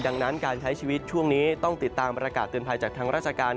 ดังนั้นการใช้ชีวิตช่วงนี้ต้องติดตามประกาศเตือนภัยจากทางราชการ